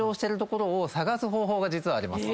実はあります。